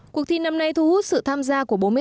cuộc thi năm nay thu hút sự tham gia của bốn mươi năm